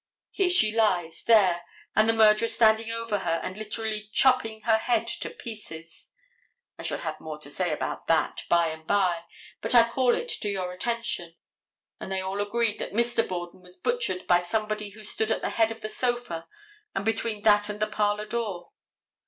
Here she lies, there, and the murderer standing over her and literally chopping her head to pieces. I shall have more to say about that by and by, but I call it to your attention. And they all agreed that Mr. Borden was butchered by somebody who stood at the head of the sofa and between that and the parlor door.